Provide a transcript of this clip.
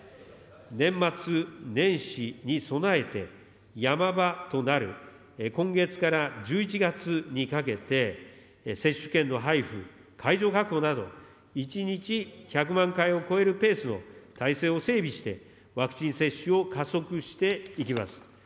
年末年始に備えて、ヤマ場となる今月から１１月にかけて、接種券の配布、会場確保など、１日１００万回超えるペースを体制を整備して、ワクチン接種を加速していきます。